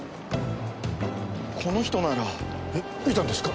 この人なら。えっ見たんですか？